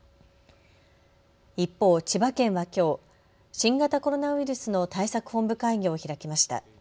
一方、千葉県はきょう、新型コロナウイルスの対策本部会議を開きました。